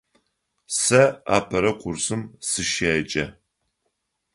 Сэ апэрэ курсым сыщеджэ.